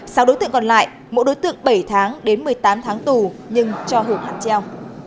sau đối tượng còn lại mỗi đối tượng bảy tháng đến một mươi tám tháng tù nhưng cho hưởng hạn treo